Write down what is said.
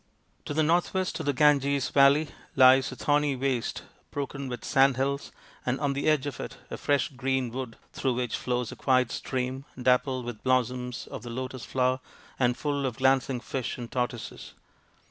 VI To the north west of the Ganges valley lies a thorny waste broken with sandhills, and on the edge of it a fresh green wood through which flows a quiet stream dappled with blossoms of the lotus flower and full of glancing fish and tortoises.